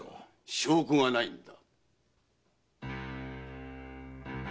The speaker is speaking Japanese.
証拠がないのだ。